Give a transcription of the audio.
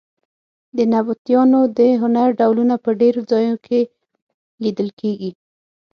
د نبطیانو د هنر ډولونه په ډېرو ځایونو کې لیدل کېږي.